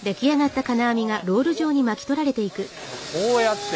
こうやって。